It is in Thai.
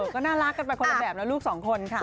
ก็น่ารักกันไปคนละแบบนะลูกสองคนค่ะ